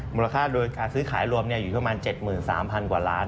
มูลค่าโดยการซื้อขายรวมอยู่ประมาณ๗๓๐๐กว่าล้าน